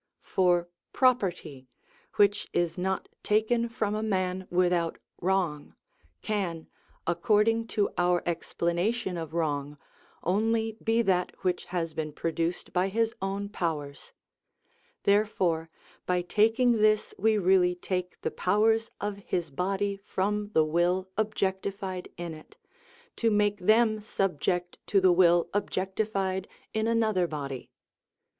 For property, which is not taken from a man without wrong, can, according to our explanation of wrong, only be that which has been produced by his own powers. Therefore by taking this we really take the powers of his body from the will objectified in it, to make them subject to the will objectified in another body.